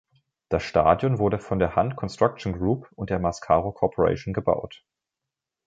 Das Stadion wurde von der Hunt Construction Group und der Mascaro Corporation gebaut.